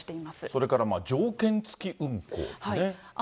それから条件付き運航ですね。